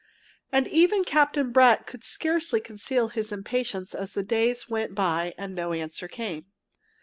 And even Captain Brett could scarcely conceal his impatience as the days went by and no answer came.